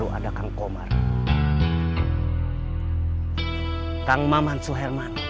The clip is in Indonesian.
kalau kejadian makanya valeh